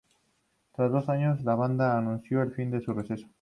Tras dos años, la banda anunció el fin de su receso.